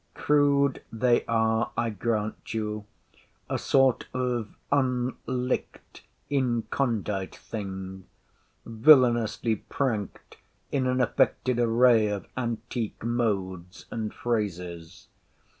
Crude they are, I grant you—a sort of unlicked, incondite things—villainously pranked in an affected array of antique modes and phrases.